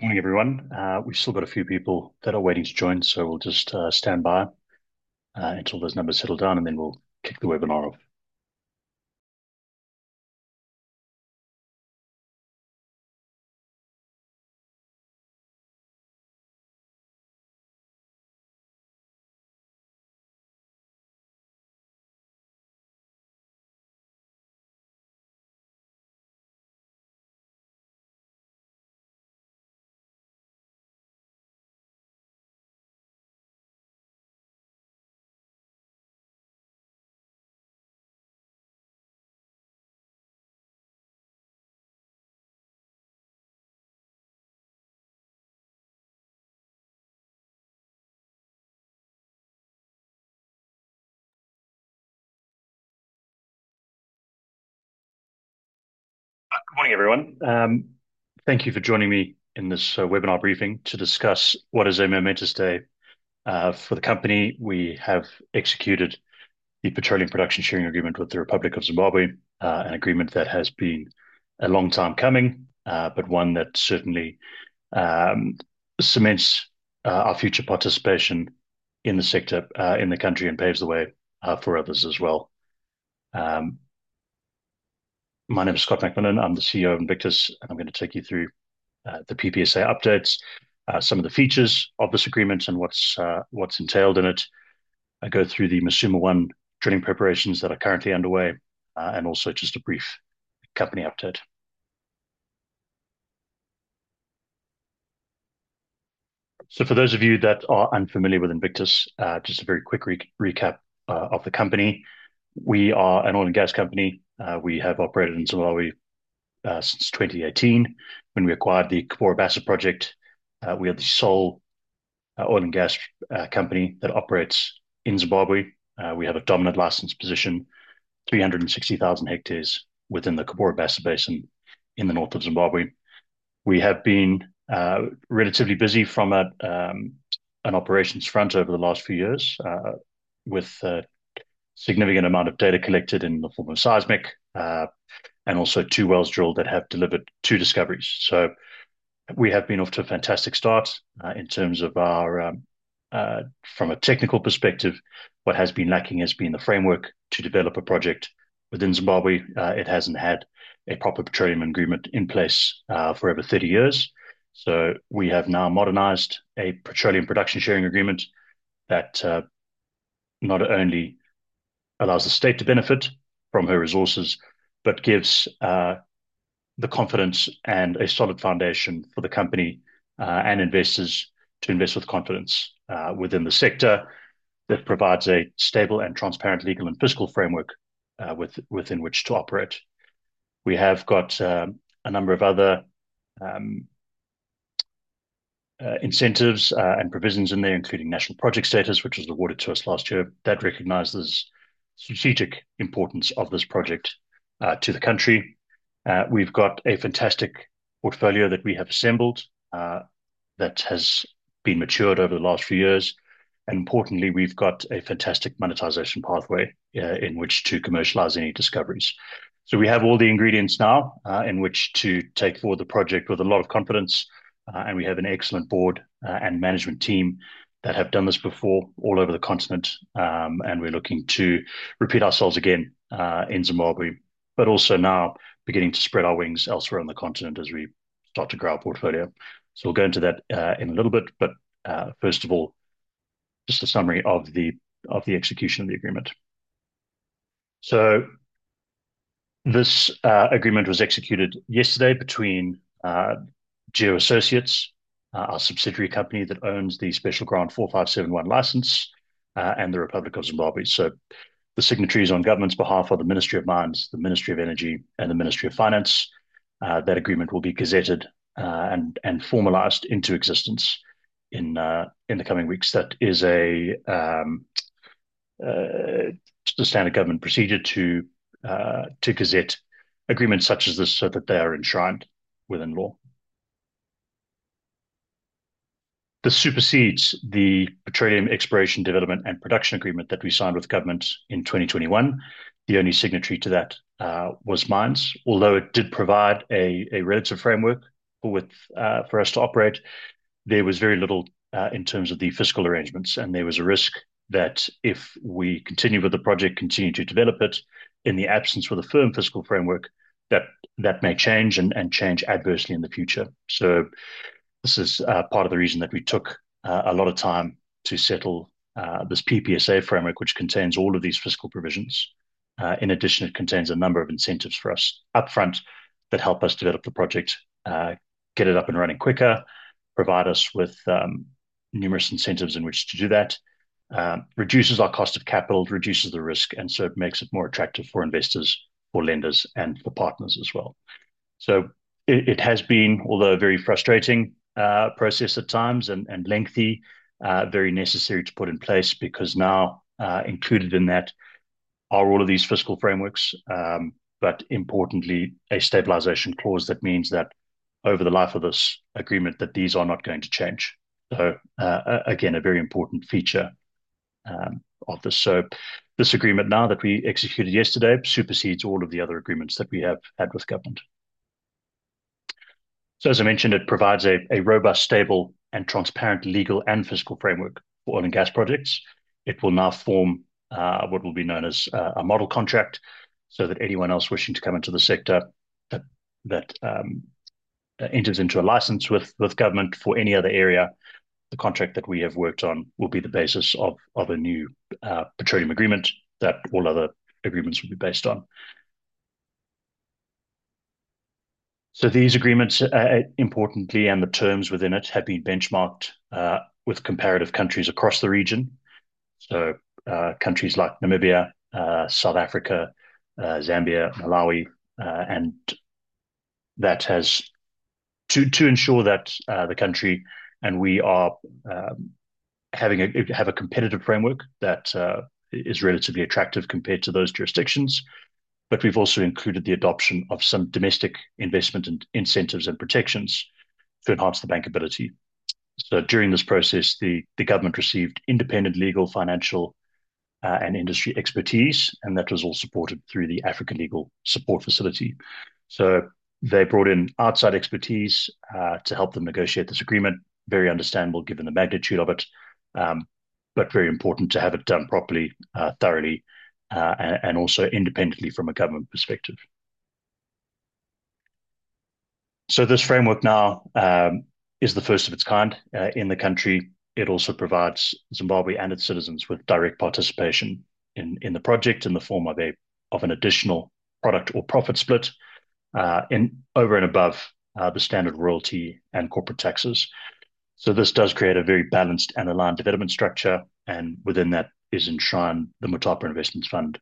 Morning, everyone. We've still got a few people that are waiting to join, so we'll just stand by until those numbers settle down, and then we'll kick the webinar off. Good morning, everyone. Thank you for joining me in this webinar briefing to discuss what is a momentous day for the company. We have executed the Petroleum Production Sharing Agreement with the Republic of Zimbabwe, an agreement that has been a long time coming, but one that certainly cements our future participation in the sector, in the country, and paves the way for others as well. My name is Scott Macmillan, I'm the CEO of Invictus, and I'm going to take you through the PPSA updates, some of the features of this agreement, and what's entailed in it, and go through the Musuma-1 drilling preparations that are currently underway, and also just a brief company update. For those of you that are unfamiliar with Invictus, just a very quick recap of the company. We are an oil and gas company. We have operated in Zimbabwe since 2018 when we acquired the Cabora Bassa project. We are the sole oil and gas company that operates in Zimbabwe. We have a dominant license position, 360,000 hectares within the Cabora Bassa Basin in the north of Zimbabwe. We have been relatively busy from an operations front over the last few years, with a significant amount of data collected in the form of seismic, and also two wells drilled that have delivered two discoveries. From a technical perspective, what has been lacking has been the framework to develop a project within Zimbabwe. It hasn't had a proper petroleum agreement in place for over 30 years. We have now modernized a Petroleum Production Sharing Agreement that not only allows the state to benefit from her resources, but gives the confidence and a solid foundation for the company and investors to invest with confidence within the sector that provides a stable and transparent legal and fiscal framework within which to operate. We have got a number of other incentives and provisions in there, including national project status, which was awarded to us last year. That recognizes strategic importance of this project to the country. We've got a fantastic portfolio that we have assembled that has been matured over the last few years. Importantly, we've got a fantastic monetization pathway in which to commercialize any discoveries. We have all the ingredients now in which to take forward the project with a lot of confidence. We have an excellent board and management team that have done this before all over the continent. We're looking to repeat ourselves again in Zimbabwe, but also now beginning to spread our wings elsewhere on the continent as we start to grow our portfolio. We'll go into that in a little bit. First of all, just a summary of the execution of the agreement. This agreement was executed yesterday between Geo Associates, our subsidiary company that owns the Special Grant 4571 license, and the Republic of Zimbabwe. The signatories on government's behalf are the Ministry of Mines, the Ministry of Energy and the Ministry of Finance. That agreement will be gazetted and formalized into existence in the coming weeks. That is a standard government procedure to gazette agreements such as this so that they are enshrined within law. This supersedes the Petroleum Exploration Development and Production Agreement that we signed with government in 2021. The only signatory to that was Mines. Although it did provide a relative framework for us to operate, there was very little in terms of the fiscal arrangements, and there was a risk that if we continue with the project, continue to develop it, in the absence with a firm fiscal framework, that may change and change adversely in the future. This is part of the reason that we took a lot of time to settle this PPSA framework, which contains all of these fiscal provisions. In addition, it contains a number of incentives for us upfront that help us develop the project, get it up and running quicker, provide us with numerous incentives in which to do that. Reduces our cost of capital, reduces the risk, and so it makes it more attractive for investors or lenders and for partners as well. It has been, although a very frustrating process at times and lengthy, very necessary to put in place because now included in that are all of these fiscal frameworks, but importantly, a stabilization clause that means that over the life of this agreement, that these are not going to change. Again, a very important feature of this. This agreement now that we executed yesterday supersedes all of the other agreements that we have had with government. As I mentioned, it provides a robust, stable, and transparent legal and fiscal framework for oil and gas projects. It will now form what will be known as a model contract so that anyone else wishing to come into the sector that enters into a license with government for any other area, the contract that we have worked on will be the basis of a new petroleum agreement that all other agreements will be based on. These agreements, importantly, and the terms within it have been benchmarked with comparative countries across the region. Countries like Namibia, South Africa, Zambia, Malawi, and that has to ensure that the country and we have a competitive framework that is relatively attractive compared to those jurisdictions. We've also included the adoption of some domestic investment incentives and protections to enhance the bankability. During this process, the government received independent legal, financial, and industry expertise, and that was all supported through the African Legal Support Facility. They brought in outside expertise to help them negotiate this agreement. Very understandable given the magnitude of it, but very important to have it done properly, thoroughly, and also independently from a government perspective. This framework now is the first of its kind in the country. It also provides Zimbabwe and its citizens with direct participation in the project in the form of an additional product or profit split, over and above the standard royalty and corporate taxes. This does create a very balanced and aligned development structure, and within that is enshrined the Mutapa Investment Fund,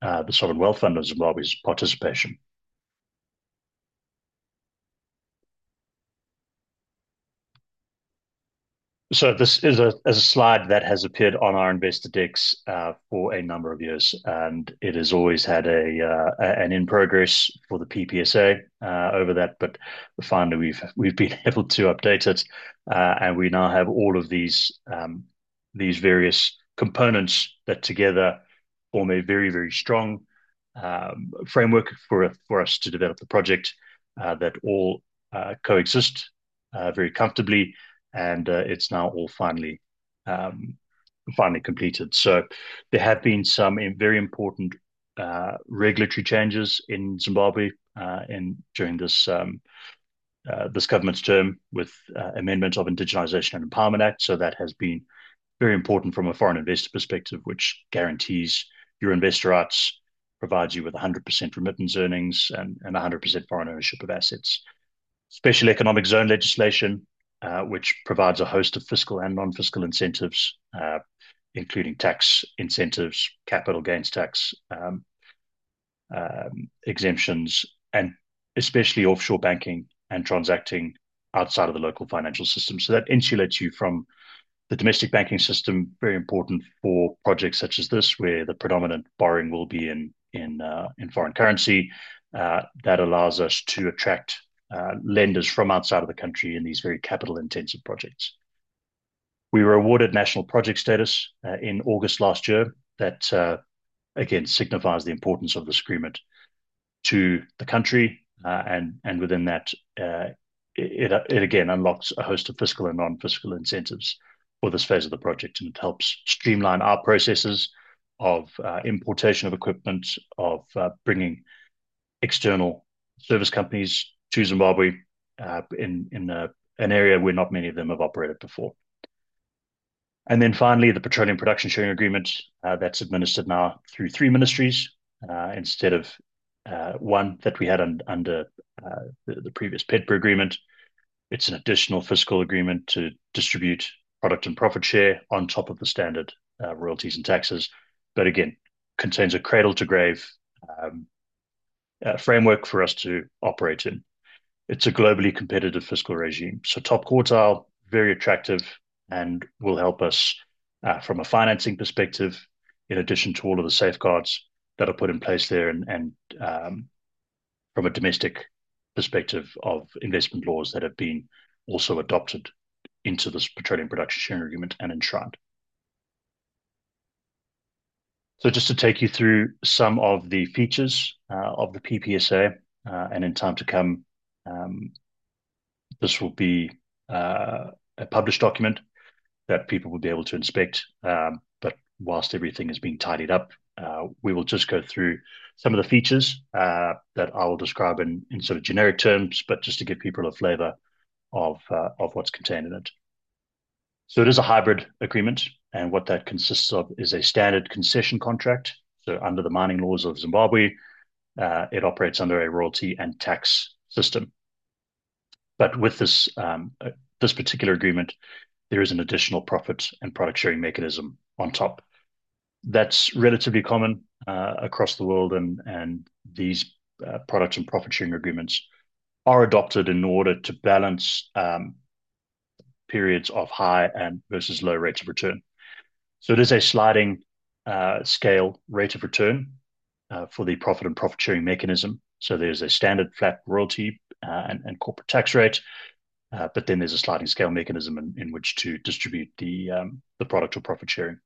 the sovereign wealth fund of Zimbabwe's participation. This is a slide that has appeared on our investor decks for a number of years, and it has always had an in progress for the PPSA over that, but finally, we've been able to update it. We now have all of these various components that together form a very, very strong framework for us to develop the project that all coexist very comfortably, and it is now all finally completed. There have been some very important regulatory changes in Zimbabwe during this government's term with amendments of Indigenisation and Economic Empowerment Act. That has been very important from a foreign investor perspective, which guarantees your investor rights, provides you with 100% remittance earnings and 100% foreign ownership of assets. Special Economic Zones Act which provides a host of fiscal and non-fiscal incentives, including tax incentives, capital gains tax, exemptions, and especially offshore banking and transacting outside of the local financial system. That insulates you from the domestic banking system. Very important for projects such as this, where the predominant borrowing will be in foreign currency. That allows us to attract lenders from outside of the country in these very capital-intensive projects. We were awarded national project status in August last year. That, again, signifies the importance of this agreement to the country. Within that, it again unlocks a host of fiscal and non-fiscal incentives for this phase of the project, and it helps streamline our processes of importation of equipment, of bringing external service companies to Zimbabwe, in an area where not many of them have operated before. Finally, the Petroleum Production Sharing Agreement, that's administered now through three ministries instead of one that we had under the previous PPDA agreement. It's an additional fiscal agreement to distribute product and profit share on top of the standard royalties and taxes, but again, contains a cradle-to-grave framework for us to operate in. It's a globally competitive fiscal regime, so top quartile, very attractive, and will help us from a financing perspective in addition to all of the safeguards that are put in place there and from a domestic perspective of investment laws that have been also adopted into this Petroleum Production Sharing Agreement and enshrined. Just to take you through some of the features of the PPSA. In time to come, this will be a published document that people will be able to inspect. Whilst everything is being tidied up, we will just go through some of the features that I will describe in sort of generic terms, but just to give people a flavor of what's contained in it. It is a hybrid agreement, and what that consists of is a standard concession contract. Under the mining laws of Zimbabwe, it operates under a royalty and tax system. With this particular agreement, there is an additional profit and product-sharing mechanism on top. That's relatively common across the world, and these product and profit-sharing agreements are adopted in order to balance periods of high and versus low rates of return. It is a sliding scale rate of return for the profit and profit-sharing mechanism. There's a standard flat royalty and corporate tax rate, then there's a sliding scale mechanism in which to distribute the product or profit-sharing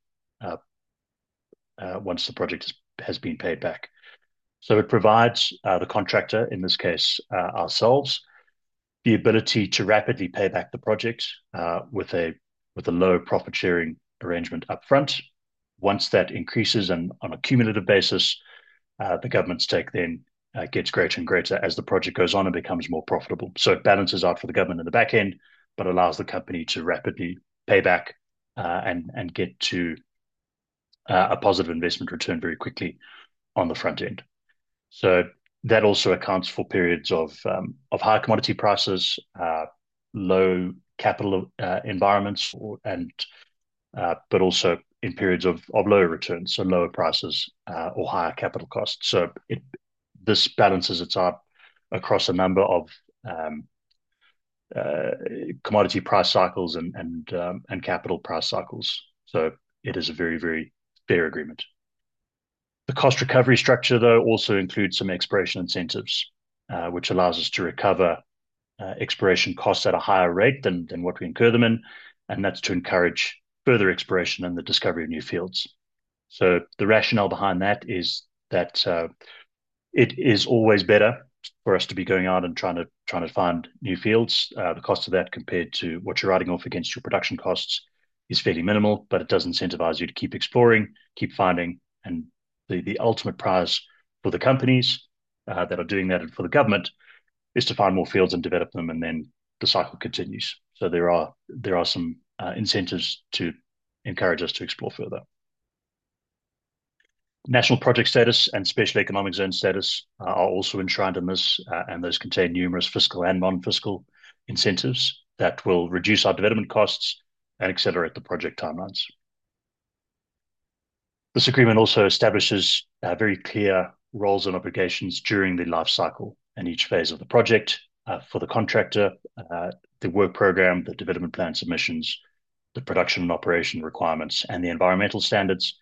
once the project has been paid back. It provides the contractor, in this case ourselves, the ability to rapidly pay back the project with a low profit-sharing arrangement upfront. Once that increases and on a cumulative basis, the government's take then gets greater and greater as the project goes on and becomes more profitable. It balances out for the government at the back end, but allows the company to rapidly pay back and get to a positive investment return very quickly on the front end. That also accounts for periods of high commodity prices, low capital environments, but also in periods of lower returns, so lower prices or higher capital costs. This balances it out across a number of commodity price cycles and capital price cycles. It is a very fair agreement. The cost recovery structure, though, also includes some exploration incentives, which allows us to recover exploration costs at a higher rate than what we incur them in, and that's to encourage further exploration and the discovery of new fields. The rationale behind that is that it is always better for us to be going out and trying to find new fields. The cost of that compared to what you're writing off against your production costs is fairly minimal, but it does incentivize you to keep exploring, keep finding, and the ultimate prize for the companies that are doing that and for the government is to find more fields and develop them, and then the cycle continues. There are some incentives to encourage us to explore further. national project status and Special Economic Zone status are also enshrined in this, and those contain numerous fiscal and non-fiscal incentives that will reduce our development costs and accelerate the project timelines. This agreement also establishes very clear roles and obligations during the life cycle and each phase of the project. For the contractor, the work program, the development plan submissions, the production and operation requirements, and the environmental standards.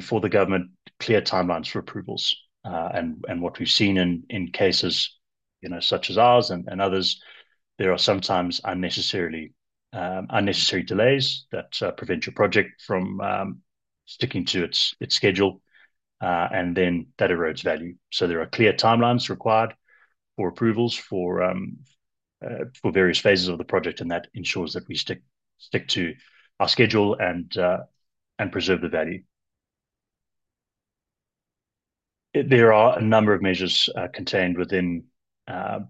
For the government, clear timelines for approvals. What we've seen in cases such as ours and others, there are sometimes unnecessary delays that prevent your project from sticking to its schedule, and then that erodes value. There are clear timelines required for approvals for various phases of the project, and that ensures that we stick to our schedule and preserve the value. There are a number of measures contained within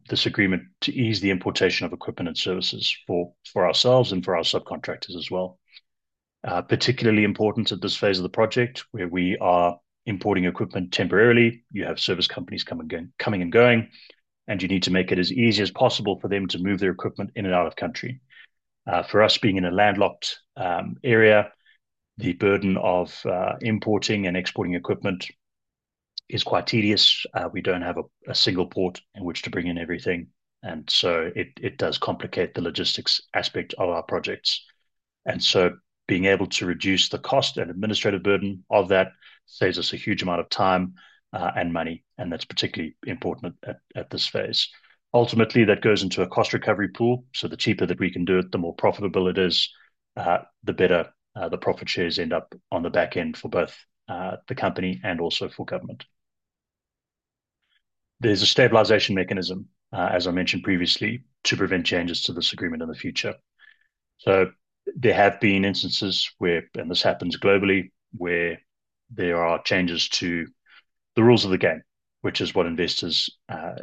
this agreement to ease the importation of equipment and services for ourselves and for our subcontractors as well. Particularly important at this phase of the project, where we are importing equipment temporarily. You have service companies coming and going, and you need to make it as easy as possible for them to move their equipment in and out of country. For us, being in a landlocked area, the burden of importing and exporting equipment is quite tedious. We don't have a single port in which to bring in everything, and so it does complicate the logistics aspect of our projects. Being able to reduce the cost and administrative burden of that saves us a huge amount of time and money, and that's particularly important at this phase. Ultimately, that goes into a cost recovery pool. The cheaper that we can do it, the more profitable it is, the better the profit shares end up on the back end for both the company and also for government. There's a stabilization mechanism, as I mentioned previously, to prevent changes to this agreement in the future. There have been instances where, and this happens globally, where there are changes to the rules of the game, which is what investors are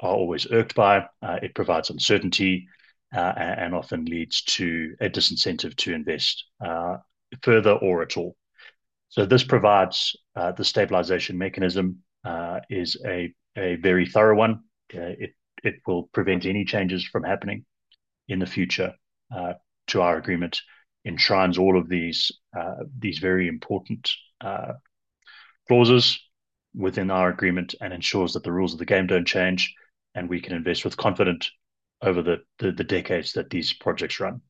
always irked by. It provides uncertainty, and often leads to a disincentive to invest further or at all. This provides the stabilization mechanism is a very thorough one. It will prevent any changes from happening in the future to our agreement, enshrines all of these very important clauses within our agreement and ensures that the rules of the game don't change, and we can invest with confidence over the decades that these projects run.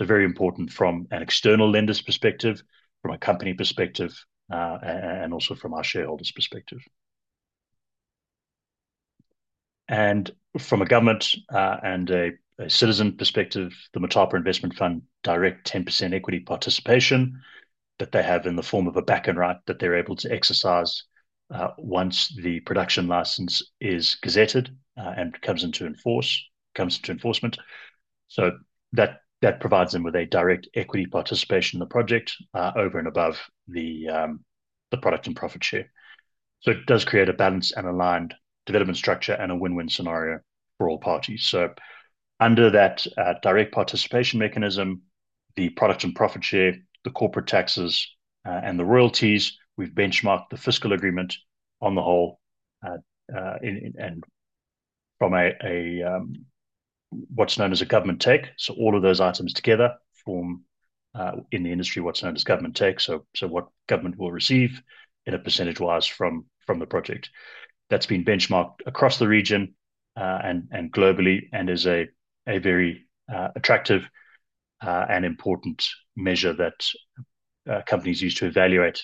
Very important from an external lender's perspective, from a company perspective, and also from our shareholders' perspective. From a government and a citizen perspective, the Mutapa Investment Fund direct 10% equity participation that they have in the form of a back-end right that they're able to exercise once the production license is gazetted and comes into enforcement. That provides them with a direct equity participation in the project over and above the product and profit share. It does create a balance and aligned development structure and a win-win scenario for all parties. Under that direct participation mechanism, the product and profit share, the corporate taxes, and the royalties, we've benchmarked the fiscal agreement on the whole, and from what's known as a government take. All of those items together form, in the industry, what's known as government take. What government will receive in a percentage-wise from the project that's been benchmarked across the region and globally and is a very attractive and important measure that companies use to evaluate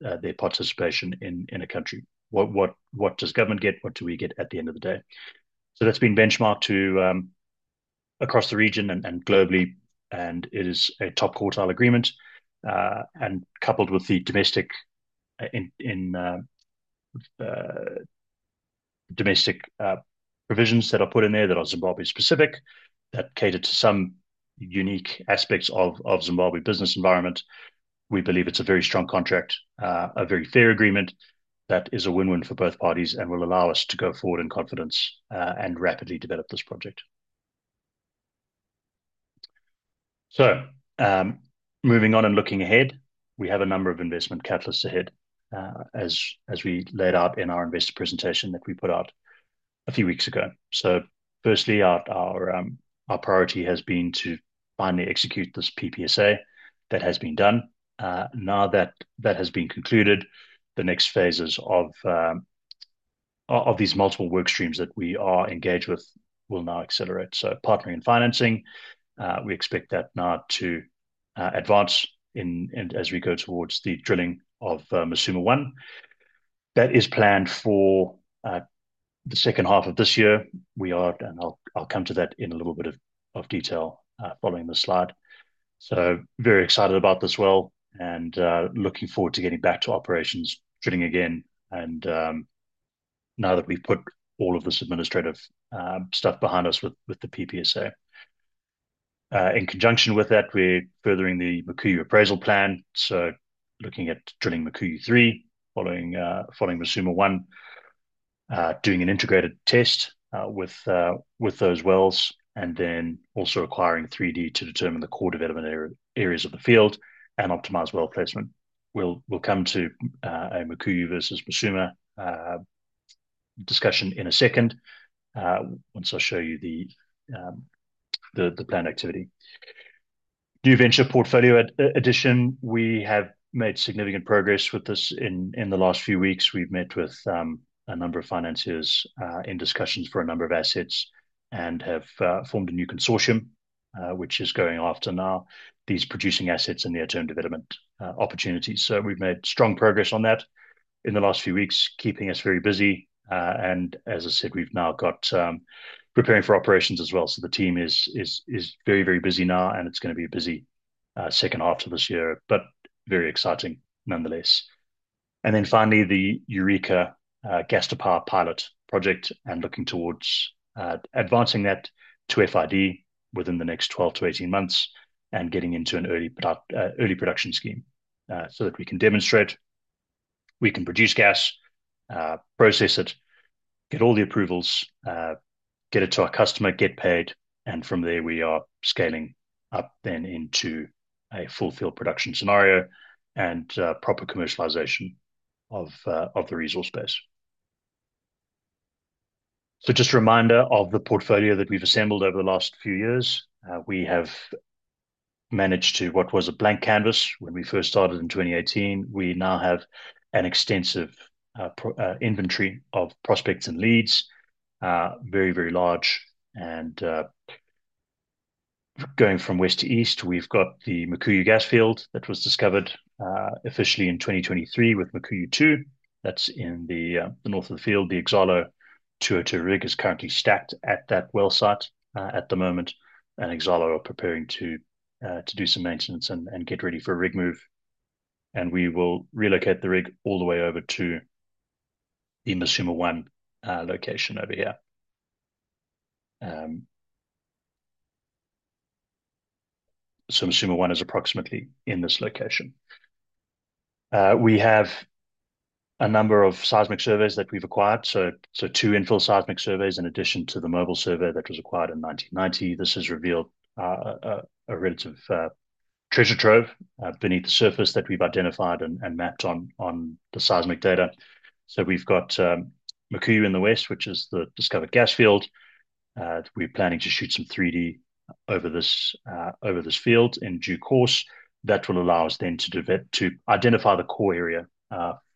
their participation in a country. What does government get? What do we get at the end of the day? That's been benchmarked to across the region and globally, and it is a top quartile agreement. Coupled with the domestic provisions that are put in there that are Zimbabwe specific, that cater to some unique aspects of Zimbabwe business environment. We believe it's a very strong contract, a very fair agreement that is a win-win for both parties and will allow us to go forward in confidence, and rapidly develop this project. Moving on and looking ahead, we have a number of investment catalysts ahead, as we laid out in our investor presentation that we put out a few weeks ago. Firstly, our priority has been to finally execute this PPSA. That has been done. Now that has been concluded, the next phases of these multiple work streams that we are engaged with will now accelerate. Partnering and financing, we expect that now to advance in and as we go towards the drilling of Musuma-1. That is planned for the second half of this year. We are, and I'll come to that in a little bit of detail, following this slide. Very excited about this well, and looking forward to getting back to operations, drilling again and, now that we've put all of this administrative stuff behind us with the PPSA. In conjunction with that, we're furthering the Mukuyu appraisal plan. Looking at drilling Mukuyu-3, following Musuma-1, doing an integrated test with those wells and then also acquiring 3D to determine the core development areas of the field and optimize well placement. We'll come to a Mukuyu versus Musuma discussion in a second, once I show you the planned activity. New venture portfolio addition. We have made significant progress with this in the last few weeks. We've met with, a number of financiers, in discussions for a number of assets and have formed a new consortium, which is going after now these producing assets and near-term development opportunities. We've made strong progress on that in the last few weeks, keeping us very busy. As I said, we've now got preparing for operations as well. The team is very busy now and it's going to be a busy second half to this year, but very exciting nonetheless. Finally, the Eureka gas to power pilot project and looking towards advancing that to FID within the next 12-18 months and getting into an early production scheme, so that we can demonstrate we can produce gas, process it, get all the approvals, get it to our customer, get paid, and from there we are scaling up then into a full field production scenario and proper commercialization of the resource base. Just a reminder of the portfolio that we've assembled over the last few years. We have managed to what was a blank canvas when we first started in 2018. We now have an extensive inventory of prospects and leads. Very, very large. Going from west to east, we've got the Mukuyu gas field that was discovered officially in 2023 with Mukuyu-2. That's in the north of the field. The Exalo 202 rig is currently stacked at that well site at the moment. Exalo are preparing to do some maintenance and get ready for a rig move. We will relocate the rig all the way over to the Musuma-1 location over here. Musuma-1 is approximately in this location. We have a number of seismic surveys that we've acquired. Two infill seismic surveys in addition to the mobile survey that was acquired in 1990. This has revealed a relative treasure trove beneath the surface that we've identified and mapped on the seismic data. We've got Mukuyu in the west, which is the discovered gas field. We're planning to shoot some 3D over this field in due course. That will allow us then to identify the core area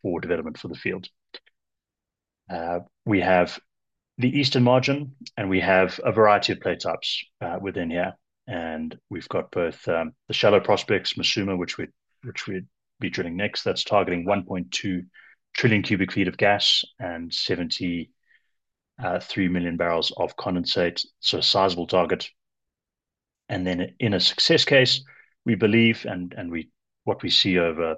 for development for the field. We have the eastern margin, and we have a variety of play types within here. We've got both the shallow prospects, Musuma, which we'd be drilling next that's targeting 1.2 trillion cubic feet of gas and 73 million barrels of condensate. A sizable target. In a success case, we believe and what we see over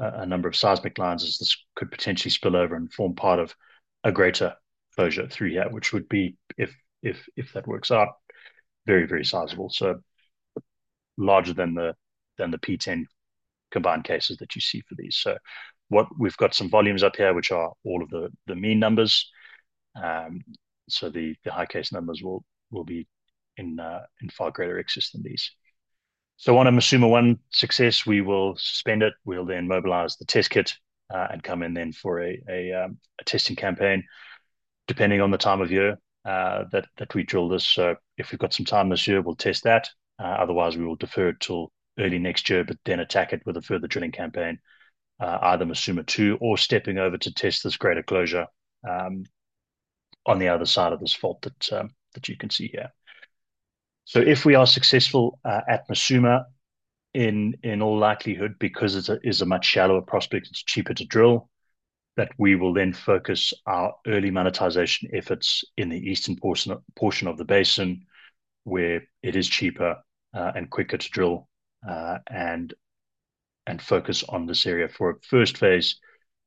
a number of seismic lines is this could potentially spill over and form part of a greater closure through here, which would be, if that works out, very sizable. Larger than the P10 combined cases that you see for these. What we've got some volumes up here, which are all of the mean numbers. The high case numbers will be in far greater excess than these. On a Musuma-1 success, we will suspend it. We'll mobilize the test kit, come in then for a testing campaign. Depending on the time of year that we drill this. If we've got some time this year, we'll test that. Otherwise we will defer it till early next year, attack it with a further drilling campaign, either Musuma-2 or stepping over to test this greater closure on the other side of this fault that you can see here. If we are successful atMusuma, in all likelihood, because it is a much shallower prospect, it's cheaper to drill, that we will then focus our early monetization efforts in the eastern portion of the basin, where it is cheaper and quicker to drill, and focus on this area for a first phase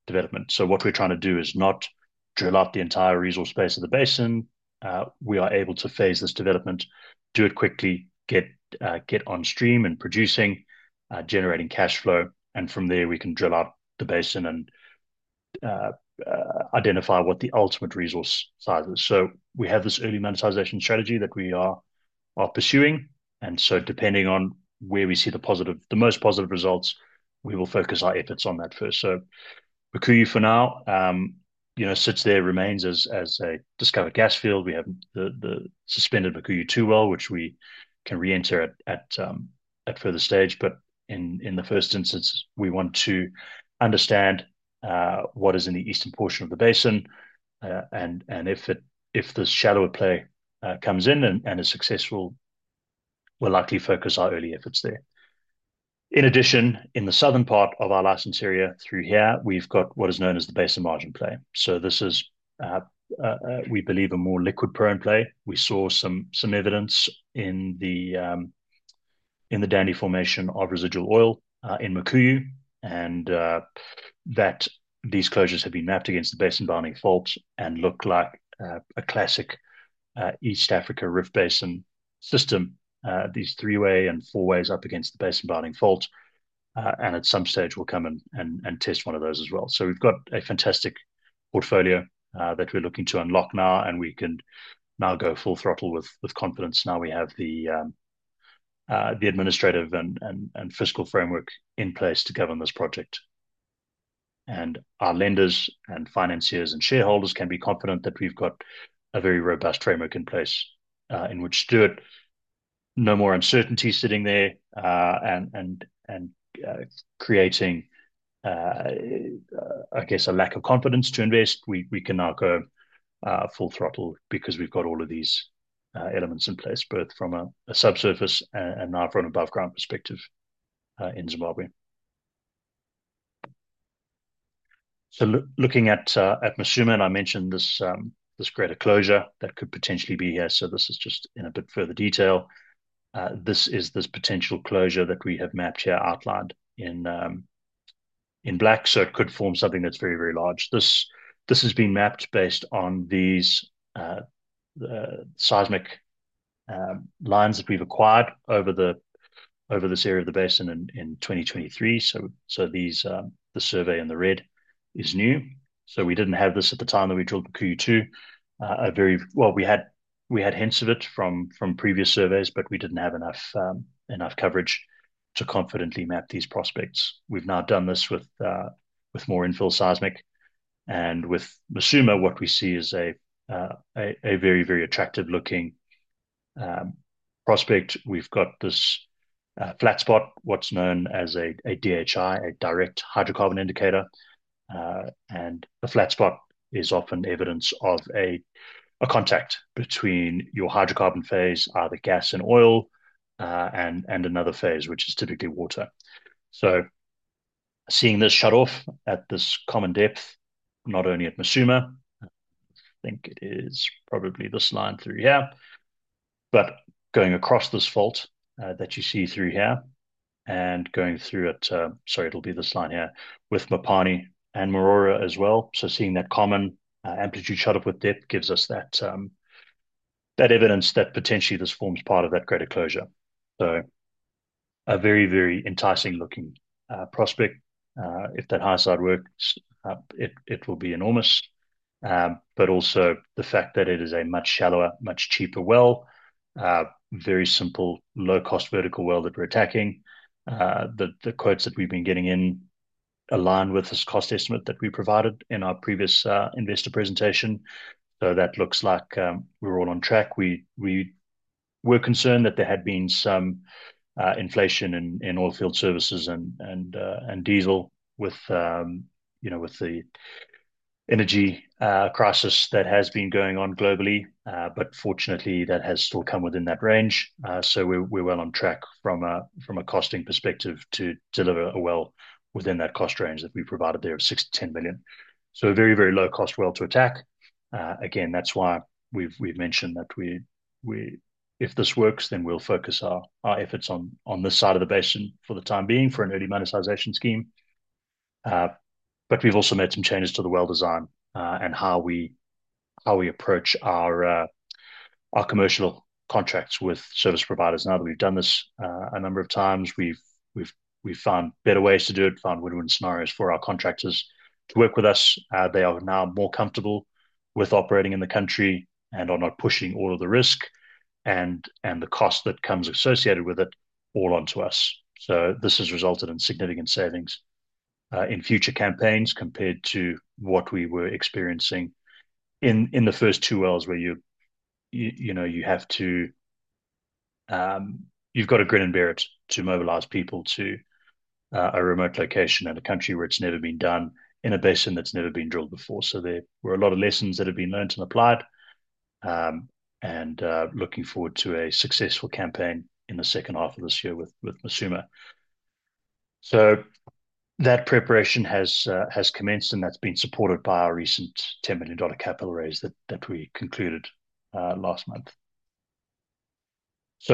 development. What we're trying to do is not drill out the entire resource base of the basin. We are able to phase this development, do it quickly, get on stream and producing, generating cash flow. From there we can drill out the basin and identify what the ultimate resource size is. We have this early monetization strategy that we are pursuing, and so depending on where we see the most positive results, we will focus our efforts on that first. Mukuyu for now sits there, remains as a discovered gas field. We have the suspended Mukuyu-2 well, which we can reenter at further stage. In the first instance, we want to understand what is in the eastern portion of the basin, and if this shallower play comes in and is successful, we'll likely focus our early efforts there. In addition, in the southern part of our license area through here, we've got what is known as the basin margin play. This is, we believe, a more liquid prone play. We saw some evidence in the Dande formation of residual oil in Mukuyu and that these closures have been mapped against the basin-bounding faults and look like a classic East Africa rift basin system, these three-way and four-ways up against the basin-bounding faults. At some stage, we'll come and test one of those as well. We've got a fantastic portfolio that we're looking to unlock now, and we can now go full throttle with confidence now we have the administrative and fiscal framework in place to govern this project. Our lenders and financiers and shareholders can be confident that we've got a very robust framework in place, in which Stewart, no more uncertainty sitting there and creating, I guess, a lack of confidence to invest. We can now go full throttle because we've got all of these elements in place, both from a subsurface and now from an above ground perspective in Zimbabwe. Looking at Musuma, and I mentioned this greater closure that could potentially be here. This is just in a bit further detail. This is this potential closure that we have mapped here, outlined in black. It could form something that's very large. This has been mapped based on these seismic lines that we've acquired over this area of the basin in 2023. The survey in the red is new. We didn't have this at the time that we drilled Mukuyu-2. Well, we had hints of it from previous surveys, but we didn't have enough coverage to confidently map these prospects. We've now done this with more infill seismic. With Musuma, what we see is a very attractive-looking prospect. We've got this flat spot, what's known as a DHI, a direct hydrocarbon indicator. A flat spot is often evidence of a contact between your hydrocarbon phase, either gas and oil, and another phase, which is typically water. Seeing this shut off at this common depth, not only at Musuma, I think it is probably this line through here, but going across this fault that you see through here and going through, it'll be this line here, with Mupani and Mahoara as well. Seeing that common amplitude shut off with depth gives us that evidence that potentially this forms part of that greater closure. A very enticing-looking prospect. If that high side works, it will be enormous. Also the fact that it is a much shallower, much cheaper well. Very simple, low-cost vertical well that we're attacking. The quotes that we've been getting align with this cost estimate that we provided in our previous investor presentation. That looks like we're all on track. We were concerned that there had been some inflation in oil field services and diesel with the energy crisis that has been going on globally. Fortunately, that has still come within that range. We're well on track from a costing perspective to deliver a well within that cost range that we provided there of $6 million-$10 million. A very low cost well to attack. Again, that's why we've mentioned that if this works, then we'll focus our efforts on this side of the basin for the time being for an early monetization scheme. We've also made some changes to the well design, and how we approach our commercial contracts with service providers. Now that we've done this a number of times, we've found better ways to do it, found win-win scenarios for our contractors to work with us. They are now more comfortable with operating in the country and are not pushing all of the risk and the cost that comes associated with it all onto us. This has resulted in significant savings in future campaigns compared to what we were experiencing in the first two wells where you've got to grin and bear it to mobilize people to a remote location in a country where it's never been done, in a basin that's never been drilled before. There were a lot of lessons that have been learned and applied, and looking forward to a successful campaign in the second half of this year with Musuma. That preparation has commenced, and that's been supported by our recent $10 million capital raise that we concluded last month.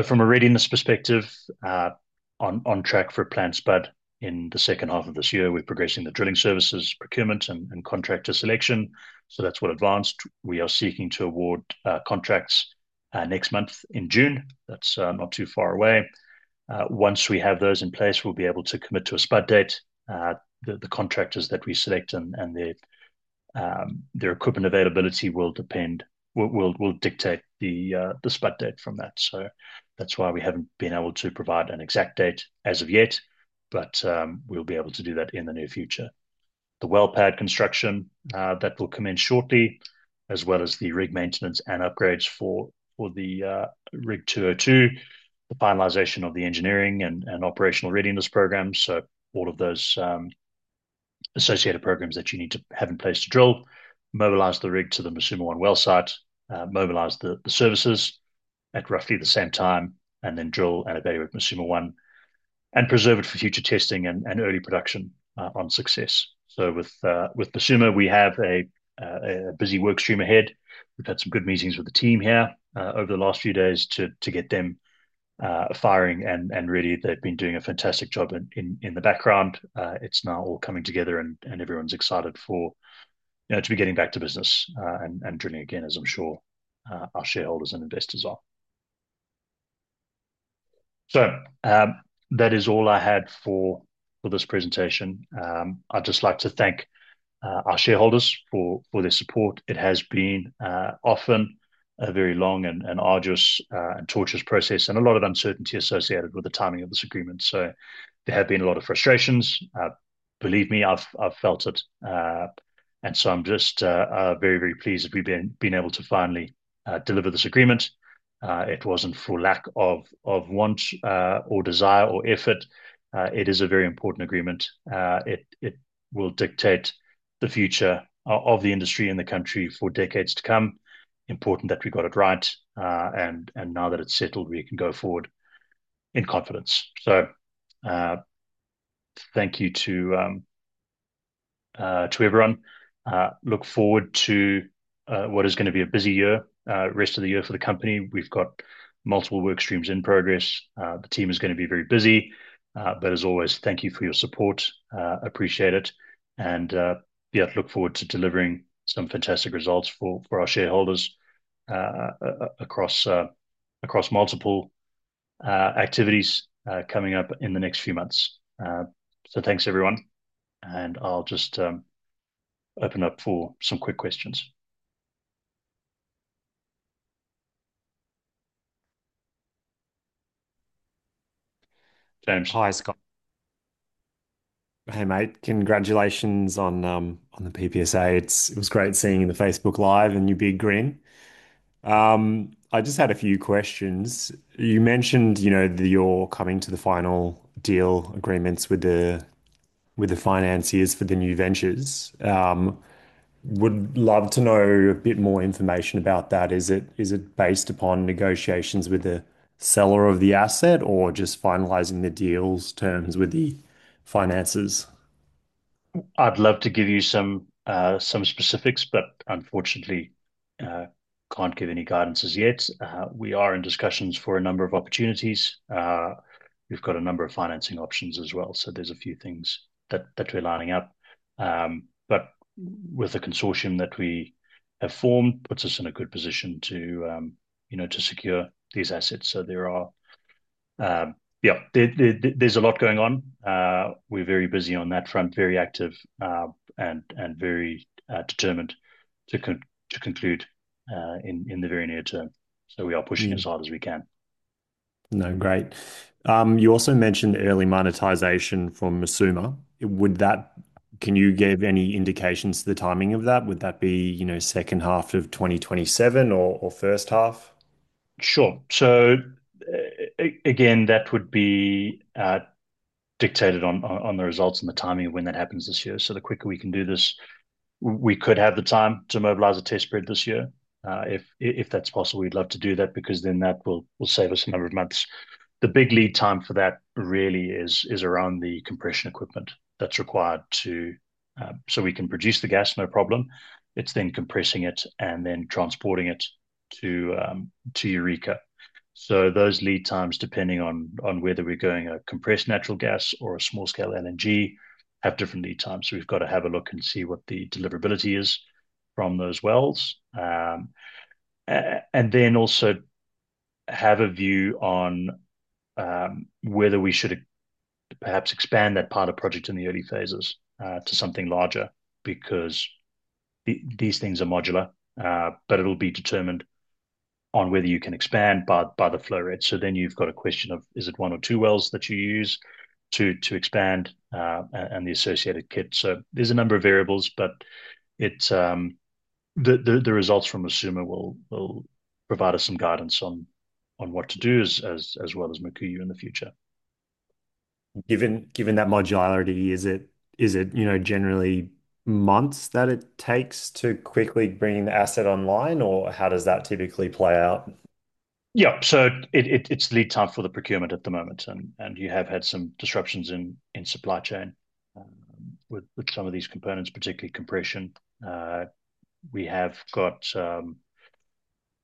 From a readiness perspective, on track for a planned spud in the second half of this year. We're progressing the drilling services procurement and contractor selection. That's well advanced. We are seeking to award contracts next month in June. That's not too far away. Once we have those in place, we'll be able to commit to a spud date. The contractors that we select and their equipment availability will dictate the spud date from that. That's why we haven't been able to provide an exact date as of yet. We'll be able to do that in the near future. The well pad construction, that will commence shortly, as well as the rig maintenance and upgrades for the Rig 202, the finalization of the engineering and operational readiness program. All of those associated programs that you need to have in place to drill, mobilize the rig to the Musuma-1 well site, mobilize the services at roughly the same time, and then drill and evaluate Musuma-1 and preserve it for future testing and early production on success. With Musuma, we have a busy work stream ahead. We've had some good meetings with the team here over the last few days to get them firing and ready. They've been doing a fantastic job in the background. It's now all coming together and everyone's excited to be getting back to business and drilling again, as I'm sure our shareholders and investors are. That is all I had for this presentation. I'd just like to thank our shareholders for their support. It has been often a very long and arduous and torturous process, and a lot of uncertainty associated with the timing of this agreement. There have been a lot of frustrations. Believe me, I've felt it. I'm just very, very pleased that we've been able to finally deliver this agreement. It wasn't for lack of want or desire or effort. It is a very important agreement. It will dictate the future of the industry in the country for decades to come, important that we got it right. Now that it's settled, we can go forward in confidence. Thank you to everyone. Look forward to what is going to be a busy year, rest of the year for the company. We've got multiple work streams in progress. The team is going to be very busy. As always, thank you for your support. Appreciate it, and look forward to delivering some fantastic results for our shareholders across multiple activities coming up in the next few months. Thanks, everyone, and I'll just open up for some quick questions. James. Hi, Scott. Hey, mate. Congratulations on the PPSA. It was great seeing you on the Facebook Live and your big grin. I just had a few questions. You mentioned that you're coming to the final deal agreements with the financiers for the new ventures. Would love to know a bit more information about that. Is it based upon negotiations with the seller of the asset or just finalizing the deal's terms with the financiers? I'd love to give you some specifics, unfortunately, can't give any guidances yet. We are in discussions for a number of opportunities. We've got a number of financing options as well, so there's a few things that we're lining up. With the consortium that we have formed, puts us in a good position to secure these assets. There's a lot going on. We're very busy on that front, very active, and very determined to conclude in the very near term. We are pushing as hard as we can. No, great. You also mentioned early monetization for Musuma. Can you give any indications to the timing of that? Would that be second half of 2027 or first half? Sure. Again, that would be dictated on the results and the timing of when that happens this year. The quicker we can do this, we could have the time to mobilize a test spread this year. If that's possible, we'd love to do that because then that will save us a number of months. The big lead time for that really is around the compression equipment that's required. We can produce the gas, no problem. It's then compressing it and then transporting it to Eureka. Those lead times, depending on whether we're going a compressed natural gas or a small-scale LNG, have different lead times. We've got to have a look and see what the deliverability is from those wells. Also have a view on whether we should perhaps expand that part of project in the early phases to something larger, because these things are modular. It'll be determined on whether you can expand by the flow rate. You've got a question of, is it one or two wells that you use to expand, and the associated kit? There's a number of variables, but the results from Musuma will provide us some guidance on what to do as well as Mukuyu in the future. Given that modularity, is it generally months that it takes to quickly bring the asset online, or how does that typically play out? Yeah. It's lead time for the procurement at the moment, and you have had some disruptions in supply chain with some of these components, particularly compression. We have got,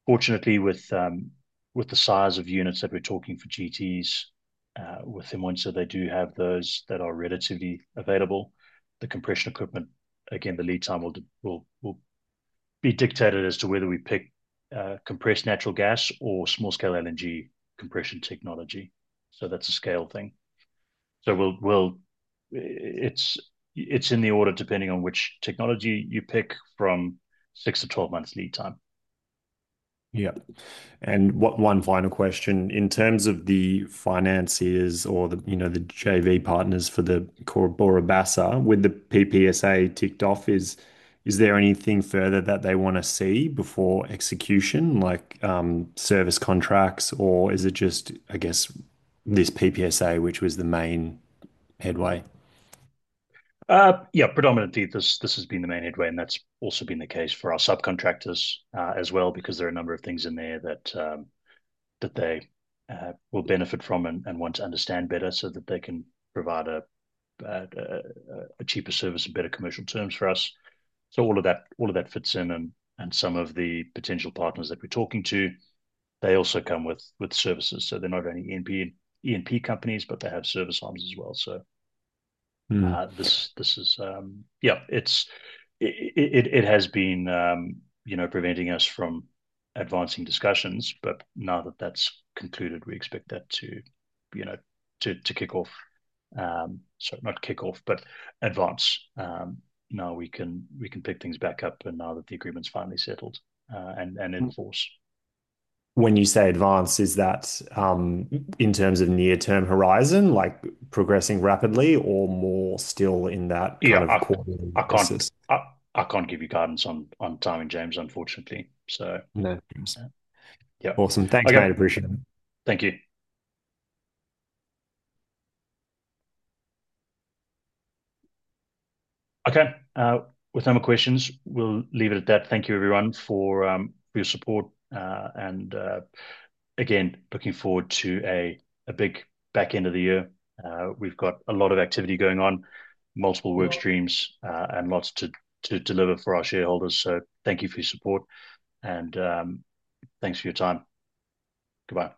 fortunately, with the size of units that we're talking for CNG, with Siemens they do have those that are relatively available. The compression equipment, again, the lead time will be dictated as to whether we pick compressed natural gas or small-scale LNG compression technology. That's a scale thing. It's in the order depending on which technology you pick from 6-12 months lead time. Yeah. One final question. In terms of the financiers or the JV partners for the Cabora Bassa, with the PPSA ticked off, is there anything further that they want to see before execution, like service contracts, or is it just, I guess, this PPSA, which was the main headway? Yeah, predominantly this has been the main headway, and that's also been the case for our subcontractors as well, because there are a number of things in there that they will benefit from and want to understand better so that they can provide a cheaper service and better commercial terms for us. All of that fits in and some of the potential partners that we're talking to, they also come with services. They're not only E&P companies, but they have service arms as well. This is, yeah, it has been preventing us from advancing discussions, but now that that's concluded, we expect that to kick off. Sorry, not kick off, but advance. Now we can pick things back up and now that the agreement's finally settled and in force. When you say advance, is that in terms of near-term horizon, like progressing rapidly or more still in that kind of quarterly basis? Yeah, I can't give you guidance on timing, James, unfortunately. No understand. Yeah. Awesome. Thanks, mate. Appreciate it. Thank you. Okay. With no more questions, we'll leave it at that. Thank you everyone for your support. Again, looking forward to a big back end of the year. We've got a lot of activity going on, multiple work streams, and lots to deliver for our shareholders. Thank you for your support and thanks for your time. Goodbye.